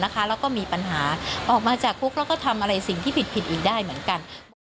แล้วก็มีปัญหาออกมาจากคุกแล้วก็ทำอะไรสิ่งที่ผิดอีกได้เหมือนกัน